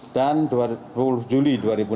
dan dua puluh juli dua ribu enam belas